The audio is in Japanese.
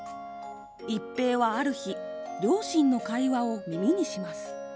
一平は、ある日両親の会話を耳にします。